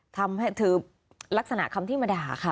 ทำให้เธอลักษณะคำที่มาด่าค่ะ